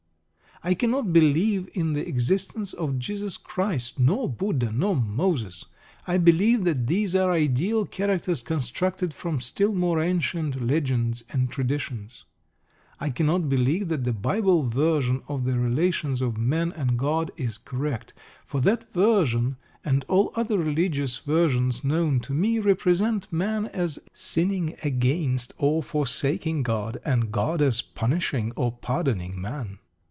I cannot believe in the existence of Jesus Christ, nor Buddha, nor Moses. I believe that these are ideal characters constructed from still more ancient legends and traditions. I cannot believe that the Bible version of the relations of man and God is correct. For that version, and all other religious versions known to me, represents man as sinning against or forsaking God, and God as punishing or pardoning man.